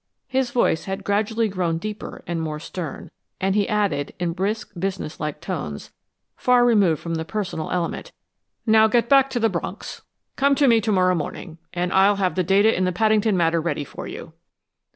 His voice had gradually grown deeper and more stern, and he added in brisk, businesslike tones, far removed from the personal element. "Now get back to the Bronx. Come to me to morrow morning, and I'll have the data in the Paddington matter ready for you."